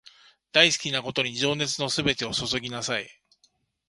大好きなことに情熱のすべてを注ぎなさい